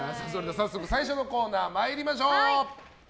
早速、最初のコーナー参りましょう！